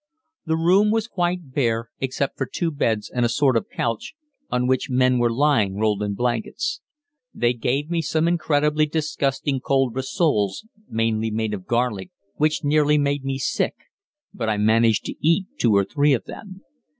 The room was quite bare except for two beds and a sort of couch, on which men were lying rolled in blankets. They gave me some incredibly disgusting cold rissoles, mainly made of garlic, which nearly made me sick; but I managed to eat two or three of them.